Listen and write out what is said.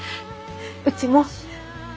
うちも。